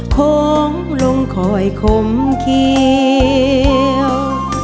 ของลงคอยขมเขียว